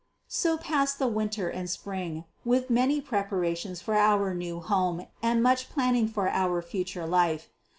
So passed the winter and spring, with many preparations for our new home and much planning for our future life.